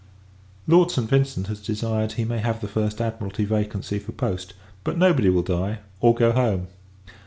Lord St. Vincent has desired he may have the first Admiralty vacancy for post; but nobody will die, or go home.